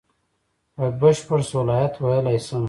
په بشپړ صلاحیت ویلای شم.